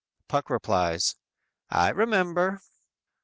"_ Puck replies: _"I remember."